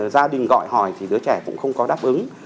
gia đình gọi hỏi thì đứa trẻ cũng không có đáp ứng